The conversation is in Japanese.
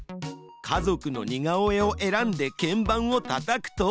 家族の似顔絵を選んで鍵盤をたたくと。